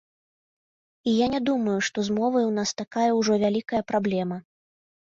І я не думаю, што з мовай у нас такая ўжо вялікая праблема.